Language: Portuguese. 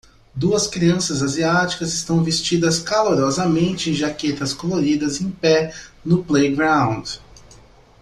Duas crianças asiáticas estão vestidas calorosamente em jaquetas coloridas em pé no playground